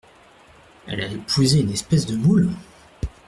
Elle a épousé une espèce de moule !…